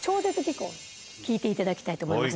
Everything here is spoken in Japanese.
聴いていただきたいと思います。